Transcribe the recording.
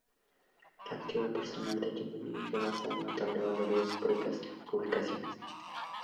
La actividad personal de Gemelli rebasa el notable valor de sus propias publicaciones.